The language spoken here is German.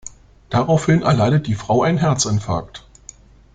Daraufhin erleidet die Frau einen Herzinfarkt.